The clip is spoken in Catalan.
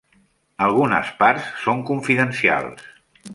Algunes parts són confidencials.